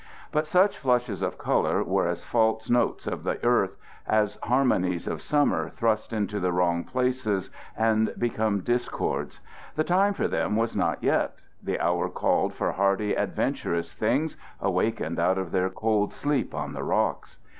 But such flushes of color were as false notes of the earth, as harmonies of summer thrust into the wrong places and become discords. The time for them was not yet. The hour called for hardy adventurous things, awakened out of their cold sleep on the rocks.